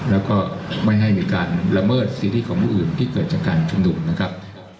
แล้วก็ไม่ให้มีการละเมิดสิทธิของผู้อื่นที่เกิดจากการชุมนุมนะครับ